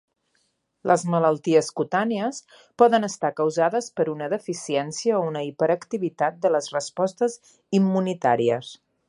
Les malalties cutànies poden estar causades per una deficiència o una hiperactivitat de les respostes immunitàries.